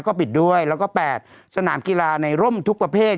ก็ปิดด้วยแล้วก็๘สนามกีฬาในร่มทุกประเภท